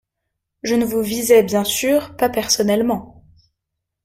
Je ne vous visais bien sûr pas personnellement.